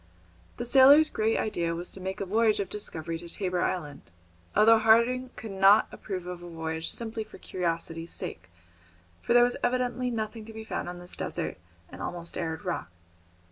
The sailor's great idea was to make a voyage of discovery to Tabor Island, although Harding could not approve of a voyage simply for curiosity's sake, for there was evidently nothing to be found on this desert and almost arid rock.